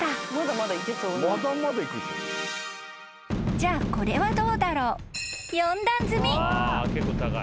［じゃあこれはどうだろう？］